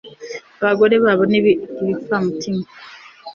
abagore babo ni ibipfamutima